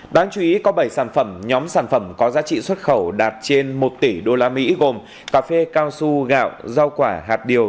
đáng chú ý có bảy sản phẩm nhóm sản phẩm có giá trị xuất khẩu đạt trên một tỷ usd gồm cà phê cao su gạo rau quả hạt điều